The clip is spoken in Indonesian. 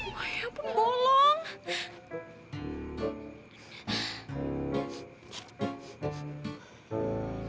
wah ya ampun bolong